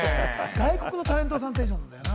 外国のタレントのテンションだよな。